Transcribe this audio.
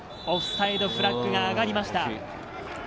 オフサイドフラッグが上がりました。